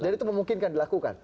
dan itu memungkinkan dilakukan